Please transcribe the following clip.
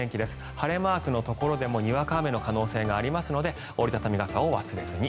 晴れマークのところでもにわか雨の可能性がありますので折り畳み傘を忘れずに。